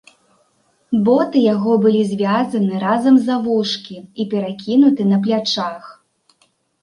Боты яго былі звязаны разам за вушкі і перакінуты на плячах.